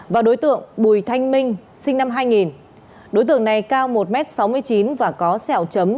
và đối tượng bùi thanh minh sinh năm hai nghìn đối tượng này cao một m sáu mươi chín và có sẹo chấm